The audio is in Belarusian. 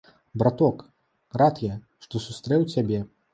Браток, рад я, што сустрэў цябе.